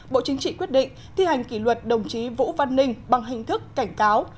bộ chính trị quyết định thi hành kỷ luật đồng chí vũ văn ninh bằng hình thức cảnh cáo